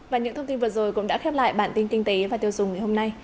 và những thông tin vừa rồi cũng đã khép lại bản tin kinh tế và tiêu dùng ngày hôm nay